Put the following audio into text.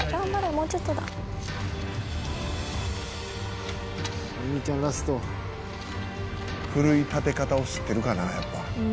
もうちょっとだ」「お兄ちゃんラスト」「奮い立て方を知ってるからなやっぱ」